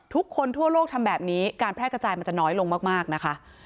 ทุกคนทั่วโลกทำแบบนี้การแพร่กระจายมันจะน้อยลงมากนะคะ